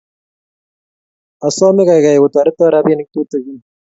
Asome kaikai otoreto rapinik tutikin